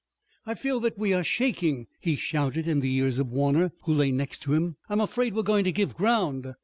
"I feel that we are shaking," he shouted in the ears of Warner, who lay next to him. "I'm afraid we're going to give ground."